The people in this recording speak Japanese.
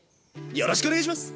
よろしくお願いします。